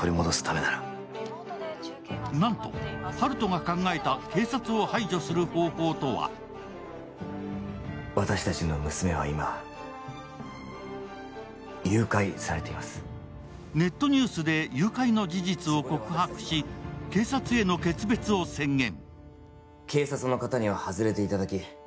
なんと温人が考えた警察を排除する方法とはネットニュースで誘拐の事実を告白し警察への決別を宣言。